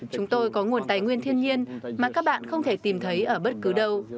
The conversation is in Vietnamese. chúng tôi có nguồn tài nguyên thiên nhiên mà các bạn không thể tìm thấy ở bất cứ đâu